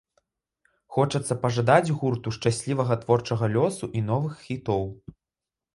Хочацца пажадаць гурту шчаслівага творчага лёсу і новых хітоў.